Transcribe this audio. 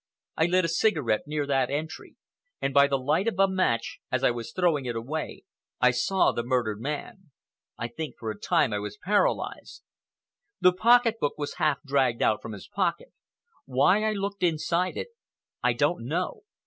I lit a cigarette near that entry, and by the light of a match, as I was throwing it away, I saw the murdered man. I think for a time I was paralyzed. The pocket book was half dragged out from his pocket. Why I looked inside it I don't know.